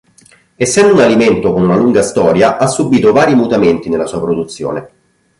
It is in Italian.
Essendo un alimento con una lunga storia, ha subito vari mutamenti nella sua produzione.